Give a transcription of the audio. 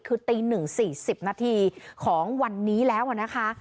คือตี๑๔๐นาทีของวันนี้แล้วนะคะ